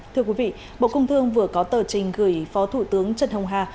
thưa quý vị bộ công thương vừa có tờ trình gửi phó thủ tướng trần hồng hà